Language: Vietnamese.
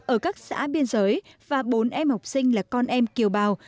ở các xã biên giới và bốn em học sinh là con em kiều bào